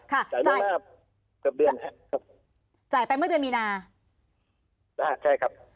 จ่ายล่วงหน้าเกือบเดือนแล้วครับจ่ายไปเมื่อเดือนมีนาอ่าใช่ครับ